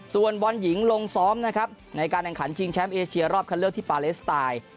ส่วนบอลหญิงลงซ้อมนะครับในการแข่งขันชิงแชมป์เอเชียรอบคันเลือกที่ปาเลสไตน์